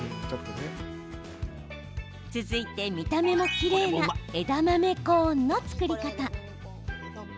続いて、見た目もきれいな枝豆コーンの作り方。